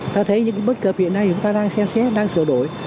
ta thấy những bất cập hiện nay chúng ta đang xem xét đang sửa đổi